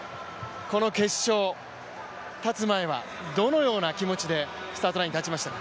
この決勝、立つ前はどのような気持ちでスタートラインに立ちましたか？